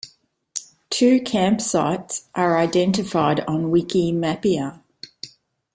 Two campsites are identified on Wikimapia.